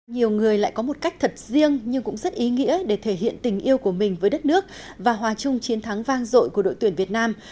nhiều người lại có một cách thật riêng nhưng cũng rất ý nghĩa để thể hiện tình yêu của mình với đất nước và hòa chung chiến thắng vang dội của đội tuyển việt nam